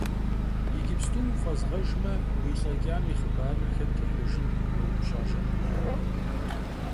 Иджыпсту уфӏэзгъэжмэ, уи лӏэкӏам и хъыбарыр хэт ихьыжын? – йоупщӏ ар Жамбулэт.